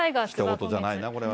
ひと事じゃないな、これも。